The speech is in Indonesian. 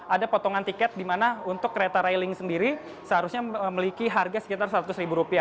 ada potongan tiket di mana untuk kereta railing sendiri seharusnya memiliki harga sekitar rp seratus